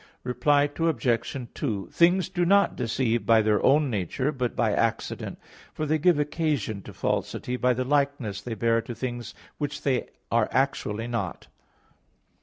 Reply Obj. 2: Things do not deceive by their own nature, but by accident. For they give occasion to falsity, by the likeness they bear to things which they actually are not.